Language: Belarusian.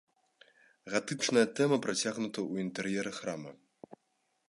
Гатычная тэма працягнута ў інтэр'еры храма.